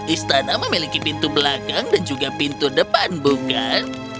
istana memiliki pintu belakang dan juga pintu depan bukan